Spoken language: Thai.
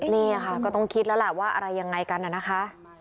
นี่ค่ะก็ต้องคิดแล้วล่ะว่าอะไรยังไงกันน่ะนะคะ